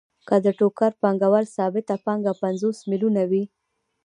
که د ټوکر پانګوال ثابته پانګه پنځوس میلیونه وي